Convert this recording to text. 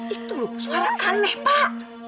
itu loh suara aneh pak